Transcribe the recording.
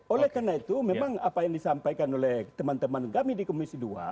oleh karena itu memang apa yang disampaikan oleh teman teman kami di komisi dua